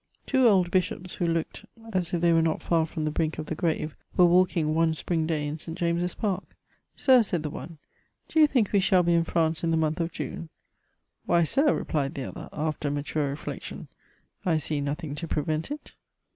Two old bishops, who looked as if they were not far from the brink of the grave, were walking one spring day in St. James's Park. ^' Sir," said the one, ^^ do you think we shall be in France in the month of June ?''" Why, ear," replied the other, after mature reflection, '^ I see nothing to prevent it."